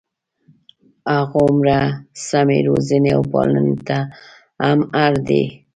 هغومره سمې روزنې او پالنې ته هم اړ دي.